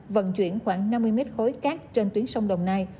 vận chuyển khoảng năm mươi mét khối cát trên tuyến sông đồng nai